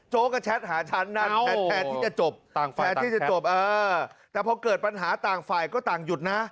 โจ๊กก็แชทหาฉันนั่นแทนแทนที่จะจบแต่พอเกิดปัญหาต่างฝ่ายก็ต่างหยุดนะ